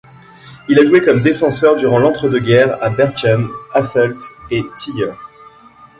Il a joué comme défenseur durant l'entre-deux-guerres, à Berchem, Hasselt et Tilleur.